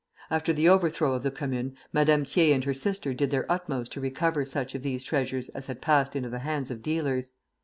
After the overthrow of the Commune, Madame Thiers and her sister did their utmost to recover such of these treasures as had passed into the hands of dealers.